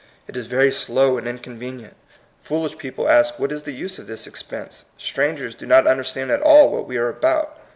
It is very slow and inconvenient; foolish people ask what is the use of this ex pense; strangers do not understand at all what we are about.